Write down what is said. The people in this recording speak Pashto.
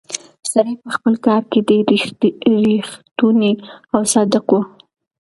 سړی په خپل کار کې ډېر ریښتونی او صادق و.